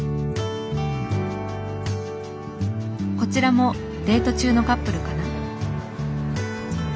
こちらもデート中のカップルかな？